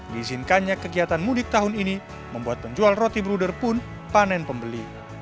diizinkannya kegiatan mudik tahun ini membuat penjual roti bruder pun panen pembeli